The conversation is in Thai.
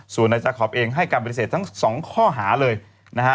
ส่วนนายจาร์คร็อปให้การเบรีเศษทั้ง๒ข้อหาเลยนะฮะ